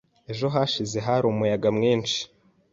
Ejo hashize hari umuyaga mwinshi.